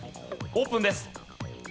オープンです。